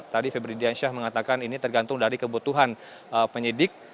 tadi febri diansyah mengatakan ini tergantung dari kebutuhan penyidik